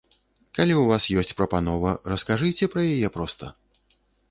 Калі ў вас ёсць прапанова, раскажыце пра яе проста!